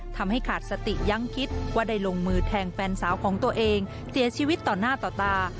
ทำให้ขาดสติยังคิดว่าได้ลงมือแทงแฟนสาวของตัวเองเสียชีวิตต่อหน้าต่อตา